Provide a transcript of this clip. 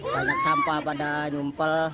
banyak sampah pada nyumpel